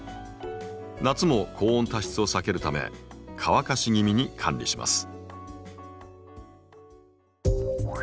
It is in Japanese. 夏も高温多湿を避けるため乾かし気味に管理します。